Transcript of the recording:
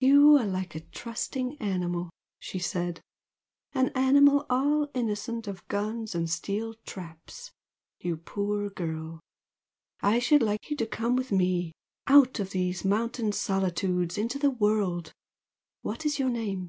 "You are like a trusting animal!" she said "An animal all innocent of guns and steel traps! You poor girl! I should like you to come with me out of these mountain solitudes into the world! What is your name?"